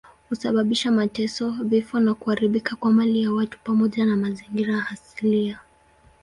Husababisha mateso, vifo na kuharibika kwa mali ya watu pamoja na mazingira asilia.